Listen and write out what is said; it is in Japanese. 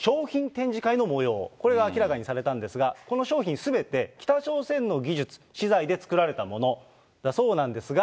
展示会のもよう、これが明らかにされたんですが、この商品すべて、北朝鮮の技術、資材で作られたものだそうなんですが。